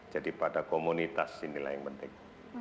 jadi pada komunitas inilah yang penting